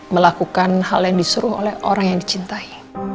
melakukan hal yang disuruh oleh orang yang dicintai